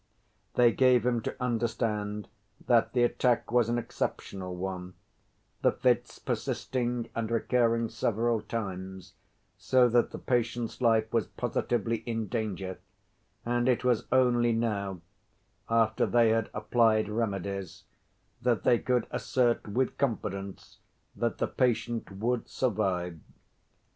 They gave him to understand that the attack was an exceptional one, the fits persisting and recurring several times, so that the patient's life was positively in danger, and it was only now, after they had applied remedies, that they could assert with confidence that the patient would survive.